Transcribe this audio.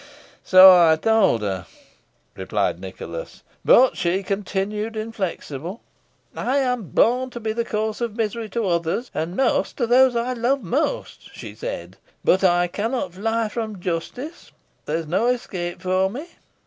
"So I told her," replied Nicholas "but she continued inflexible. 'I am born to be the cause of misery to others, and most to those I love most,' she said; 'but I cannot fly from justice. There is no escape for me.'"